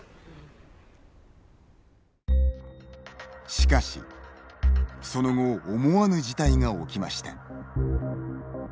しかしその後思わぬ事態が起きました。